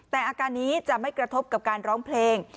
แต่อาการนี้จะไม่กระทบกับการร้องเพลง